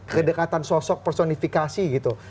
kedekatan sosok personifikasi gitu